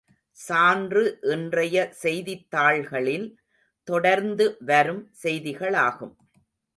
சான்று இன்றைய செய்தித்தாள்களில் தொடர்ந்து வரும் செய்திகளாகும்.